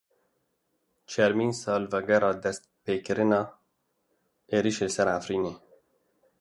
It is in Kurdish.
Çaremîn salvegera dest pêkirina êrişa li ser Efrînê.